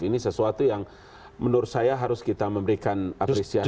ini sesuatu yang menurut saya harus kita memberikan apresiasi